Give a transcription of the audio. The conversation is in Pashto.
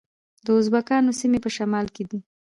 د ازبکانو سیمې په شمال کې دي